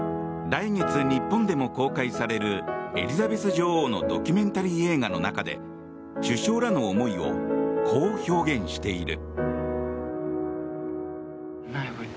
来月、日本でも公開されるエリザベス女王のドキュメンタリー映画の中で首相らの思いをこう表現している。